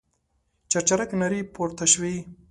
چرچرک نارې پورته شوې.